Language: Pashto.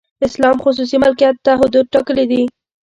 اسلام خصوصي ملکیت ته حدود ټاکلي دي.